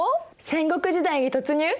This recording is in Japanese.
戦国時代に突入！？